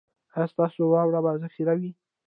ایا ستاسو واوره به ذخیره وي؟